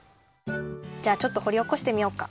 じゃあちょっとほりおこしてみようか。